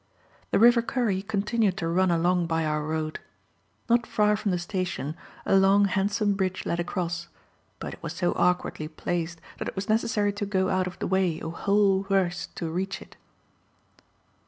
The river Kurry continued to run along by our road. Not far from the station a long handsome bridge led across, but it was so awkwardly placed that it was necessary to go out of the way a whole werst to reach it.